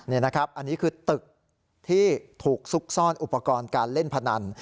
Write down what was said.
อันนี้คือตึกที่ถูกซุกซ่อนอุปกรณ์การเล่นพนัน